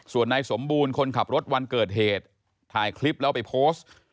ส่วนนายสมบูรณ์คนขับรถวันเกิดเหตุถ่ายคลิปแล้วไปโพสต์